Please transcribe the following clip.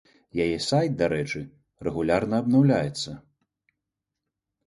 Яе сайт, дарэчы, рэгулярна абнаўляецца.